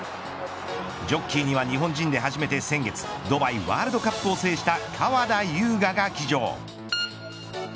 ジョッキーには日本人で初めて先月ドバイワールドカップを制した川田将雅が騎乗。